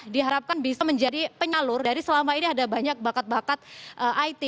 diharapkan bisa menjadi penyalur dari selama ini ada banyak bakat bakat it